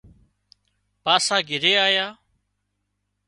پاسا گھرِي آيا